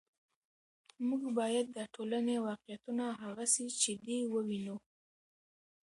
موږ باید د ټولنې واقعیتونه هغسې چې دي ووینو.